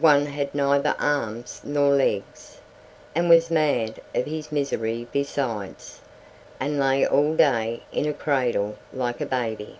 One had neither arms nor legs, and was mad of his misery besides, and lay all day in a cradle like a baby.